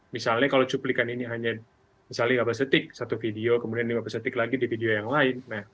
misalnya kalau cuplikan ini hanya lima belas detik satu video kemudian lima belas detik lagi di video yang lain